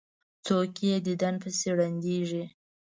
څوک یې دیدن پسې ړندیږي.